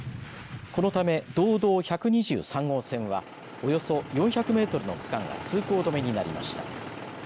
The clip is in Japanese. このため道道１２３号線はおよそ４００メートルの区間が通行止めになりました。